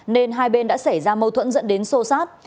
nên hai bên đã xảy ra mâu thuẫn dẫn đến sô sát